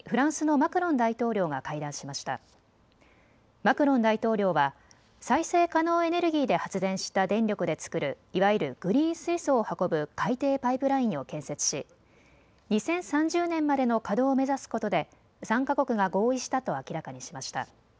マクロン大統領は再生可能エネルギーで発電した電力で作るいわゆるグリーン水素を運ぶ海底パイプラインを建設し２０３０年までの稼働を目指すことで３か国が合意したと明らかにしました。